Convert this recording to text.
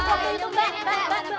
mbak gimana kejadiannya